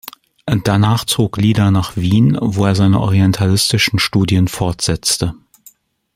Danach zog Lieder nach Wien, wo er seine orientalistischen Studien fortsetzte.